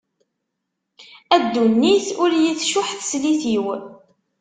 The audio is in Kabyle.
A ddunit ur yi-tcuḥ teslit-iw.